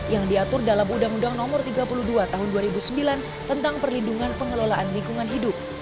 yang diatur dalam undang undang no tiga puluh dua tahun dua ribu sembilan tentang perlindungan pengelolaan lingkungan hidup